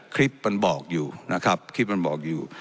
คลิปมันบอกอยู่นะครับคลิปมันบอกอยู่